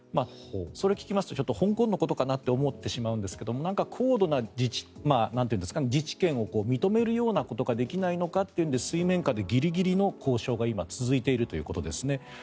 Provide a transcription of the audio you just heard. それを聞きますと香港のことかなと思ってしまうんですが高度な自治権を認めるようなことができないのかというので水面下でギリギリの交渉が今、続いているということです。